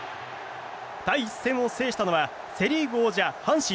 第１戦を制したのはセ・リーグ王者、阪神。